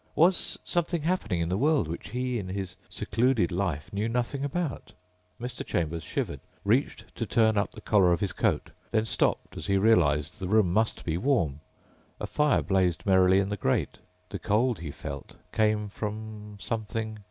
Was something happening in the world which he, in his secluded life, knew nothing about? Mr. Chambers shivered, reached to turn up the collar of his coat, then stopped as he realized the room must be warm. A fire blazed merrily in the grate. The cold he felt came from something